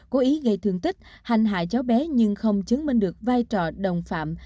cố ý gây thương tích hành hại cháu bé nhưng không chứng minh được vai trò đồng phạm